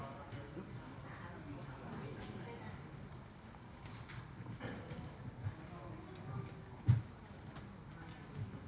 อ่าเสร็จสัญญาแป๊บหนึ่งครับพี่ไปจากไทยเสร็จสัญญาแป๊บหนึ่งครับ